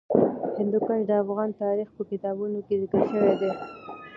هندوکش د افغان تاریخ په کتابونو کې ذکر شوی دي.